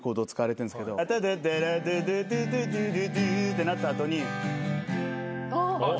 ってなった後に。